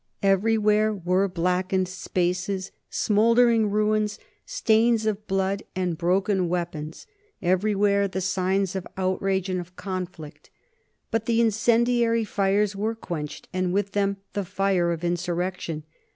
Everywhere were blackened spaces, smouldering ruins, stains of blood, and broken weapons, everywhere the signs of outrage and of conflict. But the incendiary fires were quenched and with them the fire of insurrection.